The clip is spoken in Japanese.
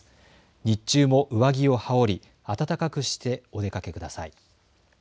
日中も上着を羽織り暖かくしてお出かけください。